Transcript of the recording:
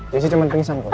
jessi cuma pingsan kok